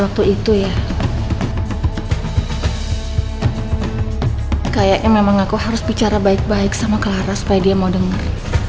itu itu ya kayaknya memang aku harus bicara baik baik sama clara supaya dia mau denger